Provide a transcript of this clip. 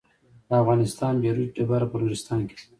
د افغانستان بیروج ډبره په نورستان کې ده